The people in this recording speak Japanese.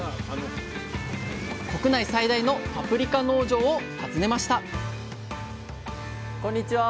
国内最大のパプリカ農場を訪ねましたこんにちは。